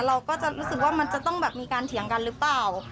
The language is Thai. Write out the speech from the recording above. เราก็จะรู้สึกว่ามันจะต้องแบบมีการเถียงกันหรือเปล่า